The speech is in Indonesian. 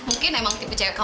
mungkin emang tipe cewek kamu